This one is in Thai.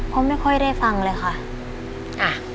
เพราะไม่ค่อยได้ฟังเลยค่ะ